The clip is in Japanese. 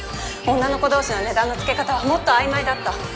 女の子同士の値段のつけ方はもっと曖昧だった。